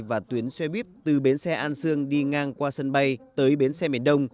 và tuyến xe bíp từ bến xe an sương đi ngang qua sân bay tới bến xe mền đông